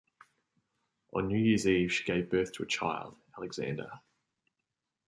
On New Year's Eve she gave birth to a child, Alexander.